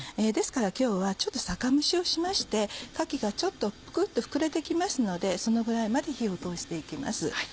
ですから今日はちょっと酒蒸しをしましてかきがちょっとぷくっと膨れて来ますのでそのぐらいまで火を通して行きます。